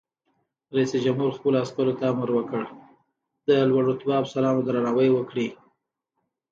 رئیس جمهور خپلو عسکرو ته امر وکړ؛ د لوړ رتبه افسرانو درناوی وکړئ!